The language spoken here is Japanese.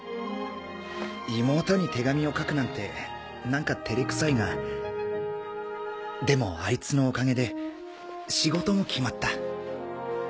妹に手紙を書くなんて何か照れくさいがでもあいつのおかげで仕事も決まった。